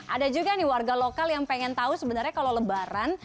ada juga nih warga lokal yang pengen tahu sebenarnya kalau lebaran